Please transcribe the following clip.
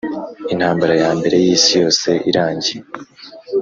intambara ya mbere y'isi yose irangiye,